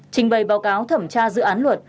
trình bày báo cáo thẩm tra dự án luật